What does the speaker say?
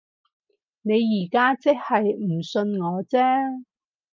你而家即係唔信我啫